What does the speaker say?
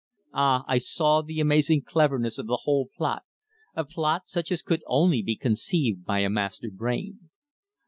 Ah! I saw the amazing cleverness of the whole plot a plot such as could only be conceived by a master brain.